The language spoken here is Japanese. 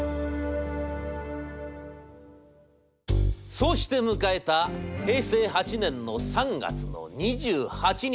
「そうして迎えた平成８年の３月の２８日。